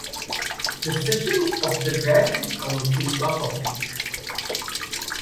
The sessions of the Grand City Council are public.